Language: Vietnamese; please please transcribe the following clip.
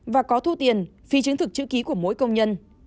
và có thu tiền phi chứng thực chữ ký của mỗi công nhân